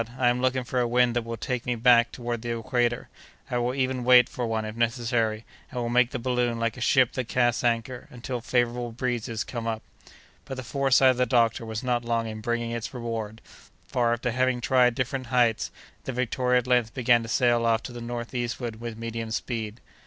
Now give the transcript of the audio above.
I am looking for a wind that will take me back toward the equator. I will even wait for one, if necessary, and will make the balloon like a ship that casts anchor, until favorable breezes come up." But the foresight of the doctor was not long in bringing its reward; for, after having tried different heights, the Victoria at length began to sail off to the northeastward with medium speed.